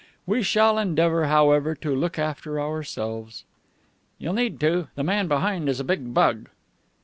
We shall endeavor, however, to look after ourselves." "You'll need to. The man behind is a big bug."